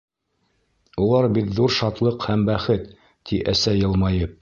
Улар бит ҙур шатлыҡ һәм бәхет, — ти әсә, йылмайып.